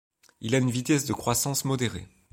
Il a une vitesse de croissance modérée.